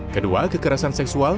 kedua kekerasan seksual